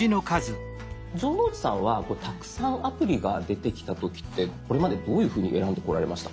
城之内さんはたくさんアプリが出てきた時ってこれまでどういうふうに選んでこられましたか？